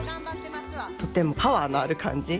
とてもパワーのある感じ。